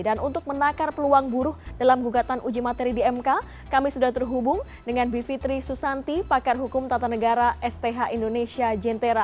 dan untuk menakar peluang buruh dalam gugatan uji materi di mk kami sudah terhubung dengan bivitri susanti pakar hukum tata negara sth indonesia jentera